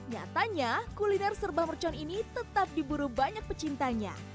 nyatanya kuliner serba mercon ini tetap diburu banyak pecintanya